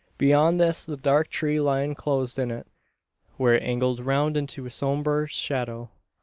Beyond this the dark tree line closed it in, where it angled round into sombre shadow.